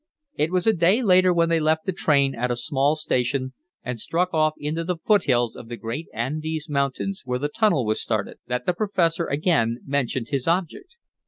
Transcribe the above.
It was a day later when they left the train at a small station, and struck off into the foothills of the great Andes Mountains, where the tunnel was started, that the professor again mentioned his object.